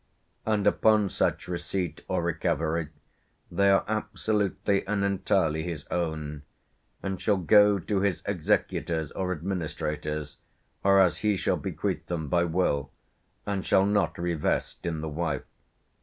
And upon such receipt or recovery they are absolutely and entirely his own; and shall go to his executors or administrators, or as he shall bequeath them by will, and shall not revest in the wife.